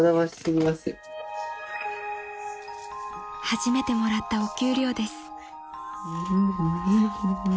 ［初めてもらったお給料です］